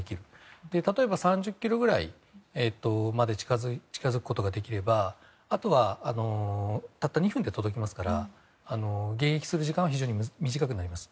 例えば、３０ｋｍくらいまで近づくことができればあとはたった２分で届きますから迎撃する時間は非常に短くなります。